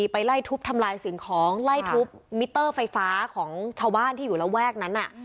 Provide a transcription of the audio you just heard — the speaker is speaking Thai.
ไปไล่ทุบทำลายสิ่งของไล่ทุบมิเตอร์ไฟฟ้าของชาวบ้านที่อยู่ระแวกนั้น